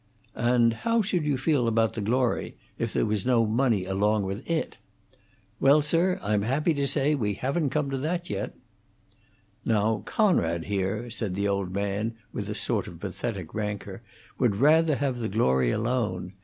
"And how should you feel about the glory, if there was no money along with it?" "Well, sir, I'm happy to say we haven't come to that yet." "Now, Conrad, here," said the old man, with a sort of pathetic rancor, "would rather have the glory alone.